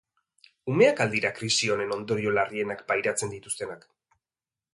Umeak al dira krisi honen ondorio larrienak pairatzen dituztenak?